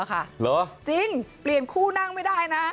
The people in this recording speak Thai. เหรอจริงเปลี่ยนคู่นั่งไม่ได้นะ